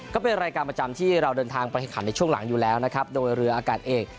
ก็เป็นรายการประจำที่เราเดินทางไปแข่งขันในช่วงหลังอยู่แล้วนะครับโดยเรืออากาศเอก